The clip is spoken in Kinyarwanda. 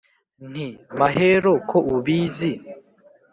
Nti: Mahero ko ubizi